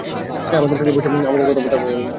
এ আমাদের সঙ্গে বসে আমাদের সাথে কথাবার্তা বলবেন!